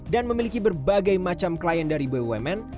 dan memiliki berbagai macam klien dari bumn